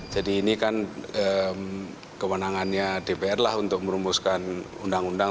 jadi ini kan kewenangannya dpr lah untuk merumuskan undang undang